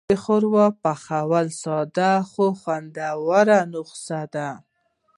ښوروا د پخلي ساده خو خوندوره نسخه ده.